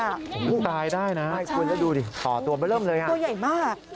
ผมตายได้นะคุณแล้วดูดิต่อตัวไปเริ่มเลยอ่ะตัวใหญ่มาก